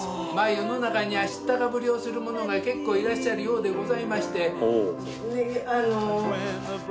世のなかには知ったかぶりをする者が結構いらっしゃるようでございまして。